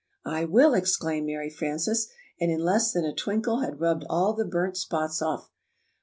"I will!" exclaimed Mary Frances; and in less than a twinkle had rubbed all the burnt spots off.